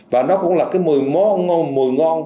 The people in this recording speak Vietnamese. và nó cũng là cái mùi ngon